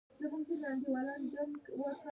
دښمن له سولې کرکه لري